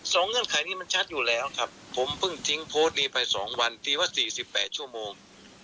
สองเงื่อนไขมันชัดอยู่แล้วผมเพิ่งทิ้งโพสต์นี้ไปสองวันธียวะ๔๘ชั่วโมง